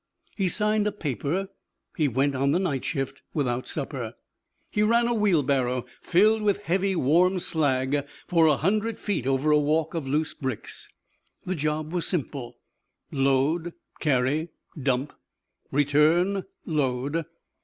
He signed a paper. He went on the night shift without supper. He ran a wheelbarrow filled with heavy, warm slag for a hundred feet over a walk of loose bricks. The job was simple. Load, carry, dump, return, load.